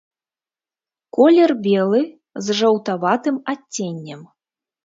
Колер белы з жаўтаватым адценнем.